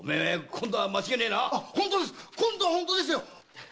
今度は本当ですよ！